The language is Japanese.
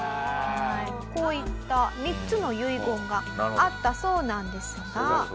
こういった３つの遺言があったそうなんですが。